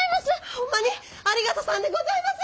ホンマにありがとさんでございます！